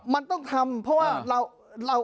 มันต้องทำเพราะว่าเรา